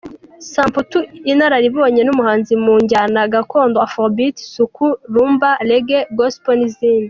Samputu, inararibonye n’umuhanzi mu njyana gakondo, Afrobeat, soukous, rumba, reggae, gospel n’izindi.